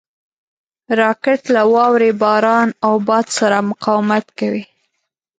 راکټ له واورې، باران او باد سره مقاومت کوي